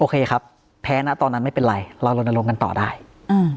ครับแพ้นะตอนนั้นไม่เป็นไรเราลนลงกันต่อได้อืม